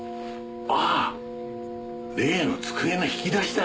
ああ例の机の引き出しだ。